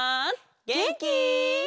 げんき？